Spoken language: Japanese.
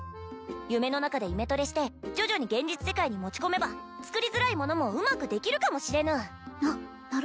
夢の中でイメトレして徐々に現実世界に持ち込めば作りづらいものもうまくできるかもしれぬな